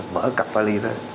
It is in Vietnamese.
mở cặp vali ra